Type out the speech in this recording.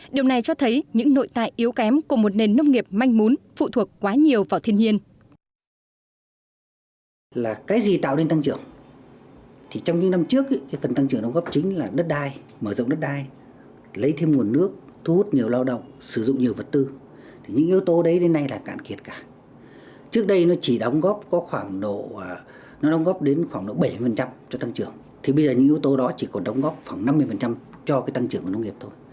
điều này cho thấy những nội tại yếu kém của một nền nông nghiệp manh mún phụ thuộc quá nhiều vào thiên nhiên